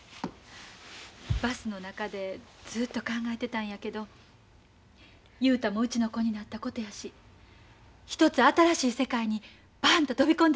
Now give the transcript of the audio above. バスの中でずっと考えてたんやけど雄太もうちの子になったことやしひとつ新しい世界にパーンと飛び込んでみようと思たんや。